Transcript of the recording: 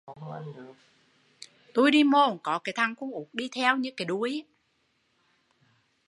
Tui đi mô cũng có thằng con út đi theo như cái đuôi